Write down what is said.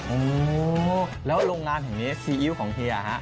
โอ้โหแล้วโรงงานแห่งนี้ซีอิ๊วของเฮียฮะ